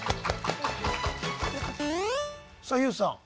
さあＹＯＵさん